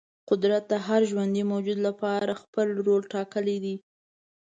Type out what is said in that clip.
قدرت د هر ژوندې موجود لپاره خپل رول ټاکلی دی.